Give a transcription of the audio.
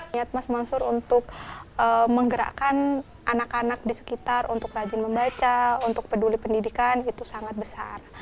niat mas mansur untuk menggerakkan anak anak di sekitar untuk rajin membaca untuk peduli pendidikan itu sangat besar